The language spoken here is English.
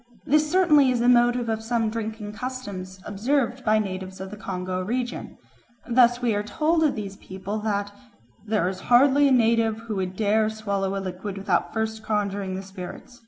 This certainly is the motive of some drinking customs observed by natives of the Congo region. Thus we are told of these people that "there is hardly a native who would dare to swallow a liquid without first conjuring the spirits.